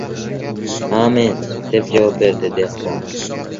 – Ha, men, – deb javob beradi dehqon.